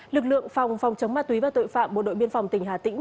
lực lượng phòng phòng chống ma túy và tội phạm bộ đội biên phòng tỉnh hà tĩnh